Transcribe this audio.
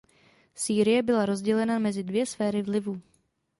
Sýrie byla rozdělena mezi dvě sféry vlivu.